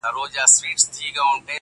اوس چي د مځكي كرې اور اخيستـــــى.